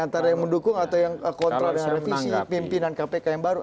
antara yang mendukung atau yang kontra dengan revisi pimpinan kpk yang baru